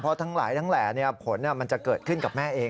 เพราะทั้งหลายทั้งแหล่ผลมันจะเกิดขึ้นกับแม่เอง